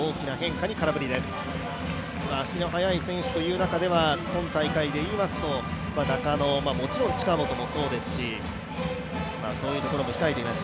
足の速い選手という中では、今大会でいいますと、中野もちろん近本もそうですし、そういうところも控えています。